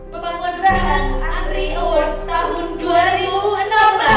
pembangunan raya award tahun dua ribu enam belas